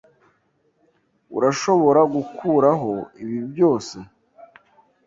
Urashobora gukuraho ibi byose?